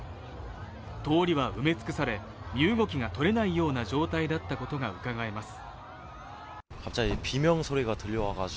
通りは埋め尽くされ、身動きがとれないような状態だったことがうかがえます。